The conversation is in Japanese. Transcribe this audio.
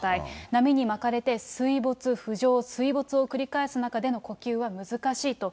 波に巻かれて水没、浮上、水没を繰り返す中での呼吸は難しいと。